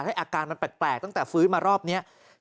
อาการมันแปลกตั้งแต่ฟื้นมารอบนี้